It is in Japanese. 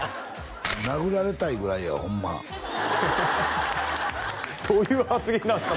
殴られたいぐらいやホンマどういう発言なんすか？